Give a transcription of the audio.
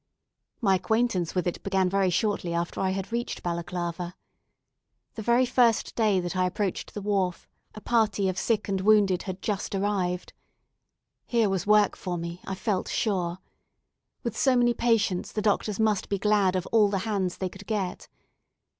My acquaintance with it began very shortly after I had reached Balaclava. The very first day that I approached the wharf, a party of sick and wounded had just arrived. Here was work for me, I felt sure. With so many patients, the doctors must be glad of all the hands they could get.